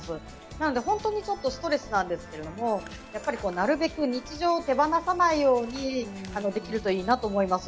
なので本当にストレスなんですがなるべく日常を手放さないようにできるといいなと思います。